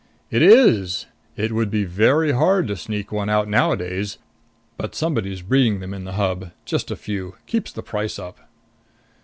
"It is. It would be very hard to sneak one out nowadays. But somebody's breeding them in the Hub. Just a few. Keeps the price up."